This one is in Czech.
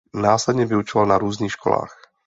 Následně vyučoval na různých školách.